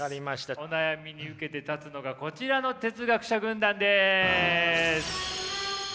お悩みに受けて立つのがこちらの哲学者軍団です。